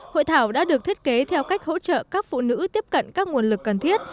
hội thảo đã được thiết kế theo cách hỗ trợ các phụ nữ tiếp cận các nguồn lực cần thiết